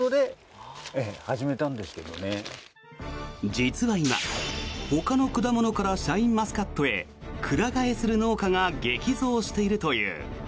実は今、ほかの果物からシャインマスカットへくら替えする農家が激増しているという。